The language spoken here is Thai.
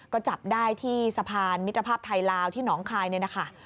ก็จับได้ที่สะพานมิตรภาพไทยลาวที่หนองคายเนี่ยนะคะ